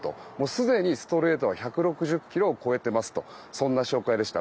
すでにストレートは１６０キロを超えていますとそんな紹介でした。